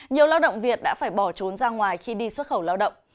nhiều lao động việt đã phải bỏ trốn ra ngoài khi đi xuất khẩu lao động